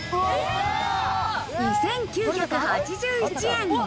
２９８１円。